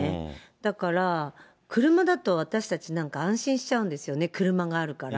だから、車だと私たち、なんか安心しちゃうんですよね、車があるから。